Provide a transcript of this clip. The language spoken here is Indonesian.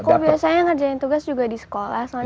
aku biasanya ngerjain tugas juga di sekolah